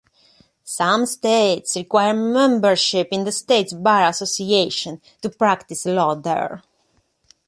Some states require membership in the state's bar association to practice law there.